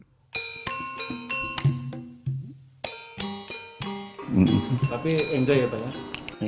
tapi enjoy ya banyak